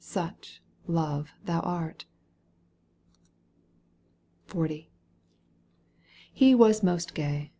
Such, love, thou art ! 7 XL. He was most gay.